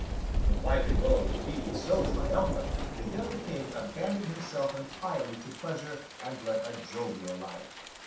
The White Rose being so triumphant, the young King abandoned himself entirely to pleasure, and led a jovial life.